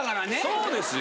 そうですよ。